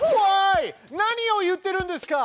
何を言ってるんですか！